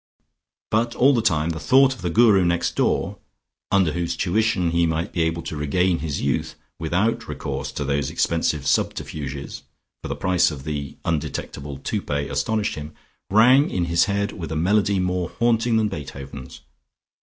But all the time the thought of the Guru next door, under whose tuition he might be able to regain his youth without recourse to those expensive subterfuges (for the price of the undetectable toupet astonished him) rang in his head with a melody more haunting than Beethoven's.